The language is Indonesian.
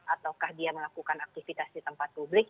ataukah dia melakukan aktivitas di tempat publik